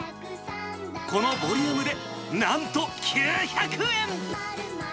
このボリュームでなんと９００円。